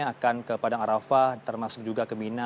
akan ke padang arafah termasuk juga ke mina